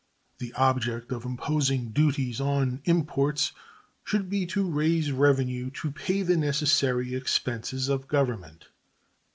The object of imposing duties on imports should be to raise revenue to pay the necessary expenses of Government.